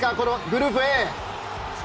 グループＡは。